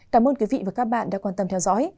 cảm ơn quý vị và các bạn đã quan tâm theo dõi